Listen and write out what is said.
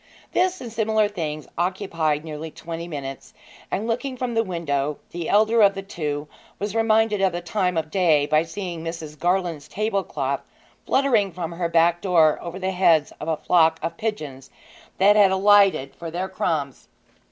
This and similar things occupied nearly twenty minutes, and, looking from the window, the elder of the two was reminded of the time of day by seeing Mrs. Garland's table cloth fluttering from her back door over the heads of a flock of pigeons that had alighted for the crumbs.